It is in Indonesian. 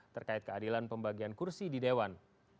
terkait keadilan pembagian kursi di dewan